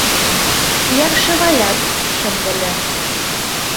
Якшываят шындыле.